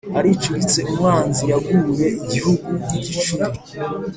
aricuritse umwanzi yaguye igihugu igicuri.